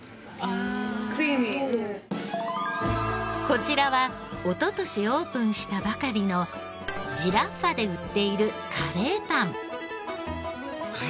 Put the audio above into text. こちらは一昨年オープンしたばかりのＧｉｒａｆｆａで売っているカレーパン。